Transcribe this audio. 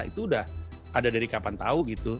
itu udah ada dari kapan tahu gitu